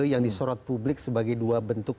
yang disorot publik sebagai dua bentuk